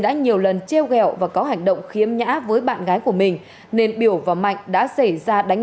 đã nhiều lần treo gẹo và có hành động khiếm nhã với bạn gái của mình nên biểu và mạnh đã xảy ra đánh